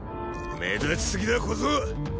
目立ちすぎだ小僧！